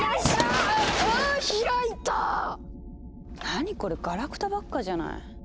何これガラクタばっかじゃない。